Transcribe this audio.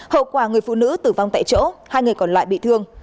hậu quả người phụ nữ tử vong tại chỗ hai người còn lại bị thương